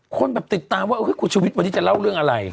คนแบบติดตามว่าคุณชุวิตวันนี้จะเล่าเรื่องอะไร